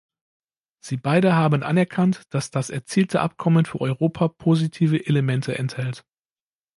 Sie beide haben anerkannt, dass das erzielte Abkommen für Europa positive Elemente enthält.